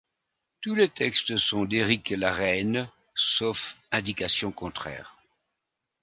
Tous les textes sont d'Éric Lareine, sauf indication contraire.